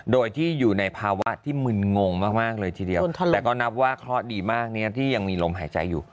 โดยที่อยู่ในภาวะที่มึนงงมากเลยทีเดียวแต่ก็นับว่าเคราะห์ดีมากที่ยังมีลมหายใจอยู่